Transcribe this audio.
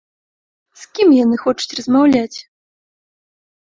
З кім яны хочуць размаўляць?